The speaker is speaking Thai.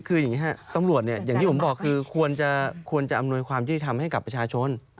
คืออย่างนี้ครับตำรวจเนี่ยอย่างที่ผมบอกคือควรจะอำนวยความยุติธรรมให้กับประชาชน